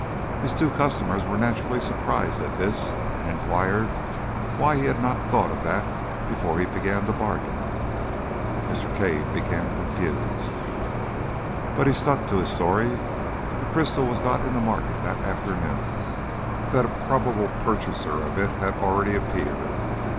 His two customers were naturally surprised at this, and inquired why he had not thought of that before he began to bargain. Mr. Cave became confused, but he stuck to his story, that the crystal was not in the market that afternoon, that a probable purchaser of it had already appeared.